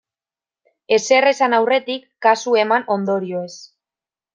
Ezer esan aurretik, kasu eman ondorioez.